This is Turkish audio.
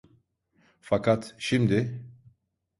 Fakat, şimdi...